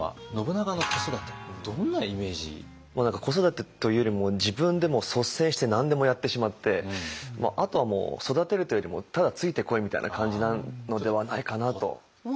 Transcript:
子育てというよりも自分で率先して何でもやってしまってあとは育てるというよりもただ「ついてこい」みたいな感じなのではないかなと。